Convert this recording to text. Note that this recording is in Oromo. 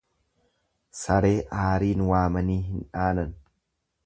Saree aariin waamanii hin dhaanan.